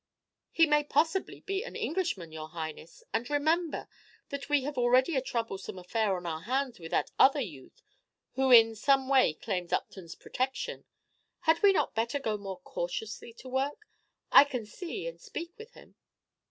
"He may possibly be an Englishman, your Highness: and remember that we have already a troublesome affair on our hands with that other youth, who in some way claims Upton's protection. Had we not better go more cautiously to work? I can see and speak with him."